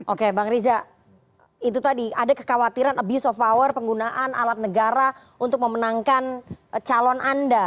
oke bang riza itu tadi ada kekhawatiran abuse of power penggunaan alat negara untuk memenangkan calon anda